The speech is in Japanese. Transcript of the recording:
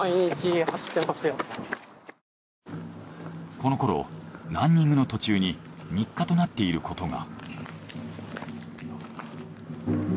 このころランニングの途中に日課となっていることが。